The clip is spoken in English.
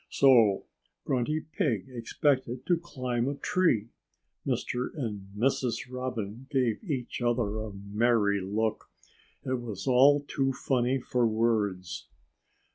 So Grunty Pig expected to climb a tree! Mr. and Mrs. Robin gave each other a merry look. It was all too funny for words.